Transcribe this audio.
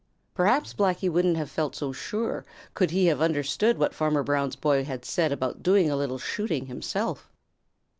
Perhaps Blacky wouldn't have felt so sure could he have understood what Farmer Brown's boy had said about doing a little shooting himself.